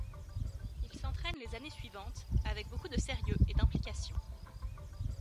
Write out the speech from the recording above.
Il s’entraîne les années suivantes avec beaucoup de sérieux et d’implication.